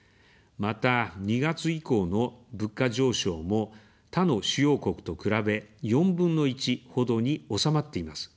また、２月以降の物価上昇も他の主要国と比べ４分の１ほどに収まっています。